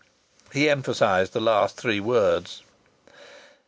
He emphasized the last three words.